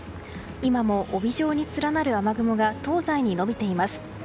今も帯状に連なる雨雲が東西に延びています。